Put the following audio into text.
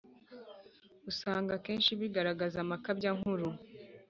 usanga akenshi bibigaragaza amakabyankuru.